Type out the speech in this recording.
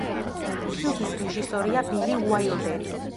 ფილმის რეჟისორია ბილი უაილდერი.